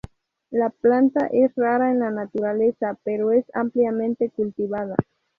La planta es rara en la naturaleza pero es ampliamente cultivada.